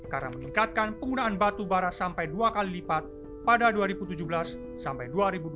karena meningkatkan penggunaan batu bara sampai dua kali lipat pada dua ribu tujuh belas sampai dua ribu dua puluh